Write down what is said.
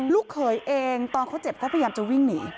เขยเองตอนเขาเจ็บก็พยายามจะวิ่งหนี